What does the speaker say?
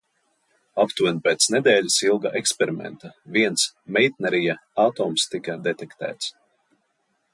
Aptuveni pēc nedēļas ilga eksperimenta viens meitnerija atoms tika detektēts.